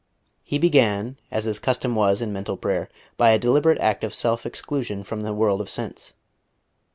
He began, as his custom was in mental prayer, by a deliberate act of self exclusion from the world of sense.